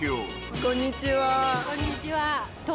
こんにちは。